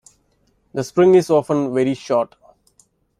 The spring is often very short.